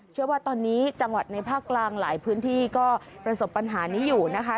เชื่อว่าตอนนี้จังหวัดในภาคกลางหลายพื้นที่ก็ประสบปัญหานี้อยู่นะคะ